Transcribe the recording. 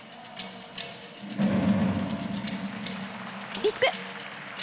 リスク。